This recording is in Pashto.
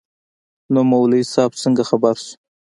نو مولوي صاحب څنگه خبر سو.